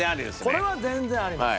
これは全然あります。